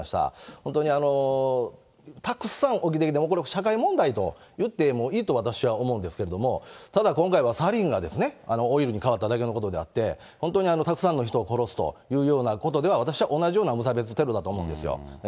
本当にたくさん起きてきて、これはもう社会問題といってもいいと私は思うんですけれども、ただ今回はサリンがオイルに変わっただけのことであって、本当にたくさんの人を殺すというようなことでは、私は同じような無差別テロだと思うんですよ。